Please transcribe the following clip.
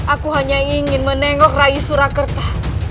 aku hanya ingin menengok rai surakarta